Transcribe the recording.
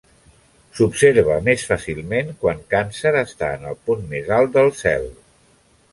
S'observa més fàcilment quan Càncer està en el punt més alt del cel.